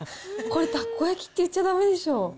これ、たこ焼きって言っちゃだめでしょ。